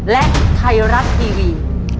และไทยรัฐทีวี